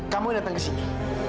kamu datang ke sini